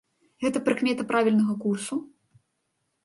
Гэта прыкмета правільнага курсу?